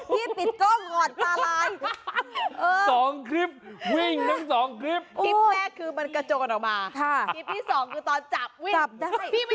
พี่ไม่ต้องถ่ายแล้วค่ะพี่อยู่ใกล้ไทยดีกว่า